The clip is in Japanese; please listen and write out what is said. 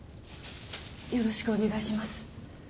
よろしくお願いします。